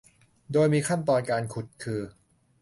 โดยมีขั้นตอนการขุดคือ